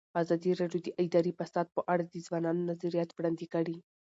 ازادي راډیو د اداري فساد په اړه د ځوانانو نظریات وړاندې کړي.